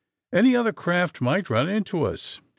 ^^Any other craft might run into us.